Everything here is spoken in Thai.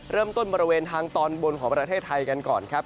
บริเวณทางตอนบนของประเทศไทยกันก่อนครับ